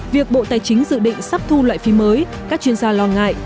việc bộ tài chính dự định sắp thu loại phí mới các chuyên gia lo ngại